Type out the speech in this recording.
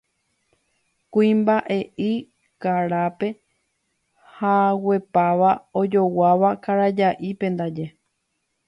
Kuimba'e'i karape, haguepáva, ojoguáva karaja'ípe ndaje.